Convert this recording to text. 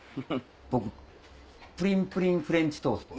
僕プリンプリンフレンチトースト。